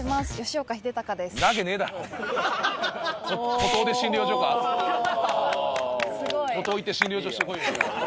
孤島行って診療所してこいよじゃあ。